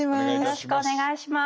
よろしくお願いします。